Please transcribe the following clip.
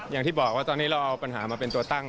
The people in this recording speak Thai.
อย่างที่บอกว่าตอนนี้เราเอาปัญหามาเป็นตัวตั้ง